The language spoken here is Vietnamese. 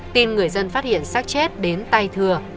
tin người dân phát hiện xác chết đến tay thừa